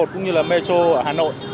cũng như là metro ở hà nội